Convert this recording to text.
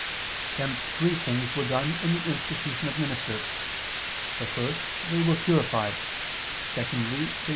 Hence three things were done in the institution of ministers: for first, they were purified; secondly, they were adorned [*'Ornabantur.'